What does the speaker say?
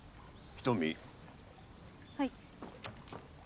はい。